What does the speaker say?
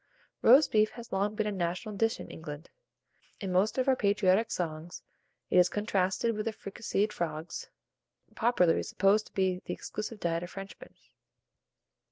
ROAST BEEF has long been a national dish in England. In most of our patriotic songs it is contrasted with the fricasseed frogs, popularly supposed to be the exclusive diet of Frenchmen.